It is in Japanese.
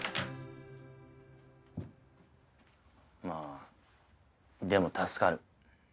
まあでも助かる。